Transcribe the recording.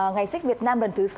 ngày sách việt nam lần thứ sáu